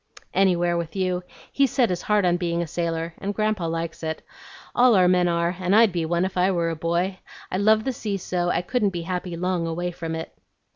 "Anywhere with you. He's set his heart on being a sailor, and Grandpa likes it. All our men are, and I'd be one if I were a boy. I love the sea so, I couldn't be happy long away from it."